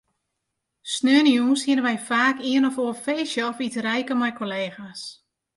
Saterdeitejûns hiene we faak ien of oar feestje of iterijke mei kollega's.